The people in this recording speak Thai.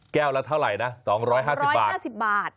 แก้วละเท่าไหร่นะ๒๕๐บาท